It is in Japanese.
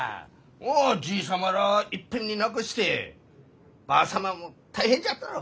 じい様らあいっぺんに亡くしてばあ様も大変じゃったろ？